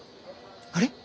あれ？